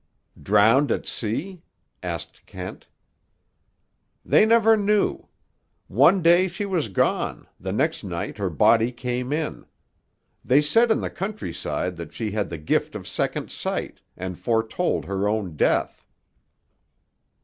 "Drowned at sea?" asked Kent. "They never knew. One day she was gone; the next night her body came in. They said in the countryside that she had the gift of second sight, and foretold her own death."